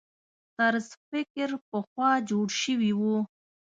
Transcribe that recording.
طرز فکر پخوا جوړ شوي وو.